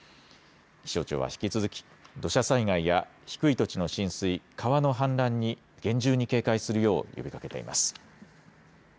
気象庁は、引き続き土砂災害や低い土地の浸水、川の氾濫に厳重に警戒するよう呼びかけています。